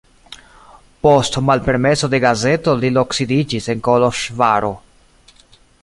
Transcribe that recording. Post malpermeso de gazeto li loksidiĝis en Koloĵvaro.